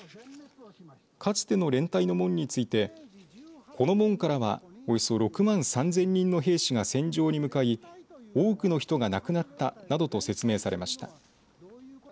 かつての連隊の門についてこの門からは、およそ６万３０００人の兵士が戦場に向かい多くの人が亡くなったなどと説明されました。